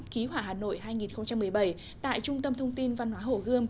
ký hòa hà nội hai nghìn một mươi bảy tại trung tâm thông tin văn hóa hổ gươm